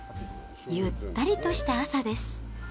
ゆったりとした朝です。